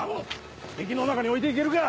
敵の中に置いていけるか。